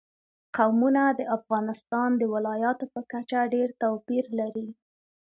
قومونه د افغانستان د ولایاتو په کچه ډېر توپیر لري.